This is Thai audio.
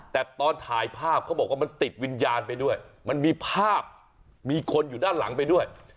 แต่ตอนถ่ายภาพเขาบอกว่ามันติดวิญญาณไปด้วยมันมีภาพมีคนอยู่ด้านหลังไปด้วย